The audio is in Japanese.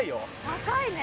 高いね。